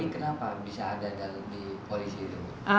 kenapa bisa ada dalam di polisi itu